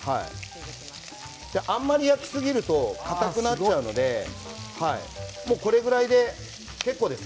あんまり焼きすぎるとかたくなっちゃうのでこれくらいで結構です。